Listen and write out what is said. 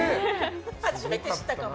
初めて知ったかも。